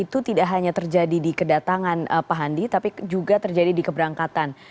itu tidak hanya terjadi di kedatangan pak handi tapi juga terjadi di keberangkatan